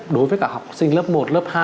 đối với cả học sinh lớp một lớp hai